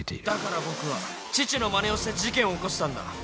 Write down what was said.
「だから僕は父のまねをして事件を起こしたんだ」